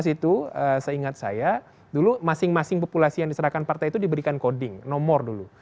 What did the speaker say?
dua ribu itu seingat saya dulu masing masing populasi yang diserahkan partai itu diberikan coding nomor dulu